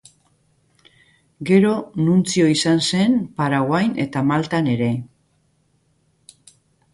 Gero nuntzio izan zen Paraguain eta Maltan ere.